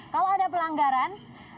kalau ada pelanggaran